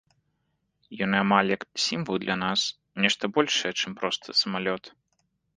Ён амаль як сімвал для нас, нешта большае, чым проста самалёт.